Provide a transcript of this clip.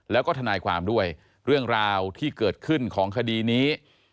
แล้วก็ทนายความด้วยเรื่องราวที่เกิดขึ้นของคดีนี้